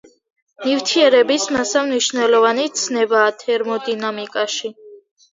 ნივთიერების მასა მნიშვნელოვანი ცნებაა თერმოდინამიკაში.